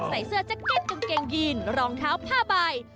ใส่เสื้อแจ็คเก็ตกางเกงยีนรองเท้าผ้าใบ